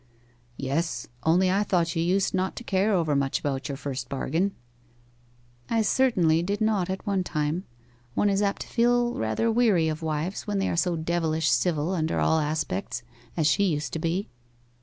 'Yes. Only I thought you used not to care overmuch about your first bargain.' 'I certainly did not at one time. One is apt to feel rather weary of wives when they are so devilish civil under all aspects, as she used to be.